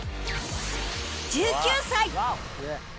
１９歳